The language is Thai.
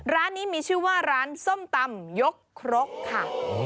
ร้านนี้มีชื่อว่าร้านส้มตำยกครกค่ะ